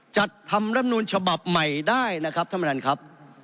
จัดทำรำนูลฉบับใหม่ได้นะครับท่านประธานครับ